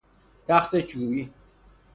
تخت چوبی